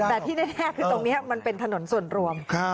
แต่ที่แน่คือตรงนี้มันเป็นถนนส่วนรวม